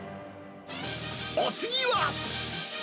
お次は。